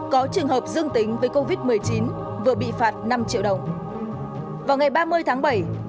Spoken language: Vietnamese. có trường hợp dương tính với covid một mươi chín vừa bị phạt năm triệu đồng